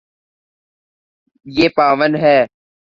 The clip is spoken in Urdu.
یے پاون ہے